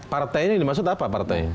partai ini dimaksud apa partai